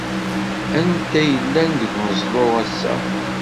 Anta ay yellan deg umeẓlu ass-a?